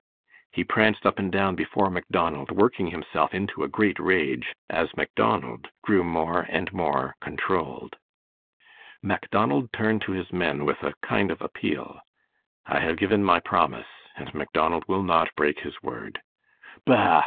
He pranced up and down before Macdonald, working himself into a great rage, as Macdonald grew more and more controlled. Macdonald turned to his men with a kind of appeal "I hev given my promise, and Macdonald will not break his word." "Bah!"